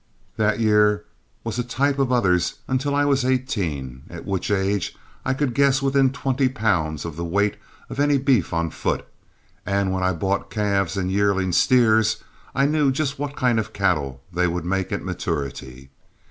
That year was a type of others until I was eighteen, at which age I could guess within twenty pounds of the weight of any beef on foot, and when I bought calves and yearling steers I knew just what kind of cattle they would make at maturity.